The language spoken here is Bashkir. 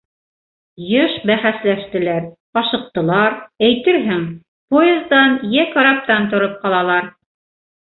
Йыш бәхәсләштеләр, ашыҡтылар, әйтерһең, поездан йә караптан тороп ҡалалар.